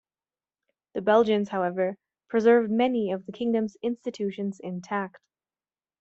The Belgians, however, preserved many of the kingdom's institutions intact.